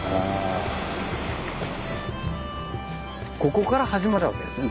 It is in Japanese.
ここから始まるわけですね